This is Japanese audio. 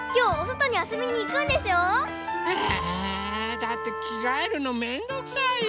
だってきがえるのめんどくさいよ。